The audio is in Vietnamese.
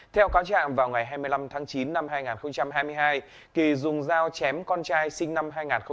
theo cáo trạng vào ngày hai mươi năm tháng chín năm hai nghìn hai mươi hai kỳ dùng dao chém con trai sinh năm hai nghìn hai mươi ba